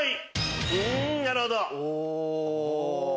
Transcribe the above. うんなるほど！